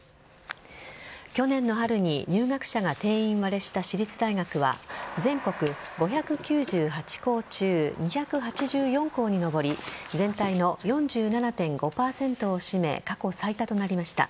去年の春に入学者が定員割れした私立大学は全国５９８校中２８４校に上り全体の４７．５％を占め過去最多となりました。